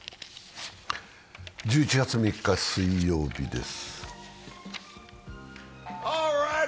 １１月３日水曜日です。